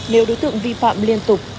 nếu đối tượng vi phạm liên tục